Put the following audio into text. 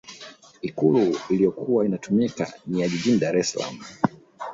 ikulu iliyokuwa inatumika ni ya jijini dar es salaam